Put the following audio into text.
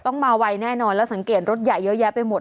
ต้องมาไวแน่นอนแล้วสังเกตรถใหญ่เยอะแยะไปหมด